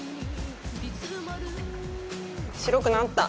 白くなった。